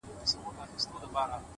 هره لاسته راوړنه کوچنی پیل لري!